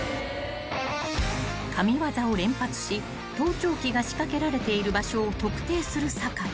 ［神業を連発し盗聴器が仕掛けられている場所を特定する酒井］